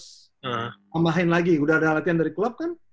tambahin lagi udah ada latihan dari klub kan